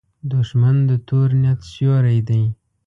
دښمن د تور نیت سیوری دی